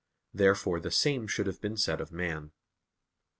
Therefore the same should have been said of man.